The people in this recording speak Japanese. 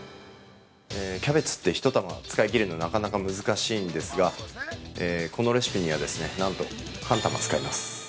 ◆キャベツって１玉使い切るのなかなか難しいんですが、このレシピにはなんと半玉使います。